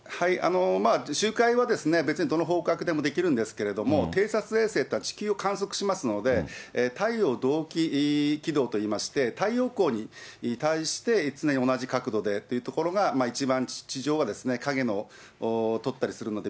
周回は別にどの方角でもできるんですけれども、偵察衛星っていうのは、地球を観測しますので、太陽同期軌道といいまして、太陽光に対して、常に同じ角度でというところが一番